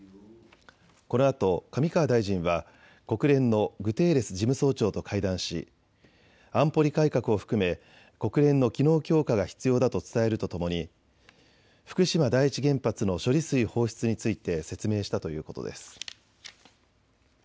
このあと上川大臣は国連のグテーレス事務総長と会談し安保理改革を含め国連の機能強化が必要だと伝えるとともに福島第一原発の処理水放出について説明したということです。